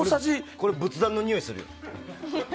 これ仏壇のにおいする。